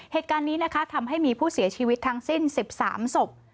เหตุการณ์นี้นะคะทำให้มีผู้เสียชีวิตทั้งสิ้น๑๓ศพ